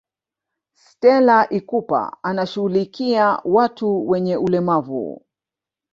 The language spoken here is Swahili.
stela ikupa anashughulikia watu wenye ulemavu